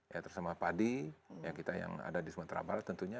ya tersemah padi kita yang ada di sumatera barat tentunya